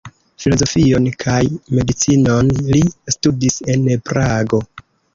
Filozofion kaj medicinon li studis en Prago.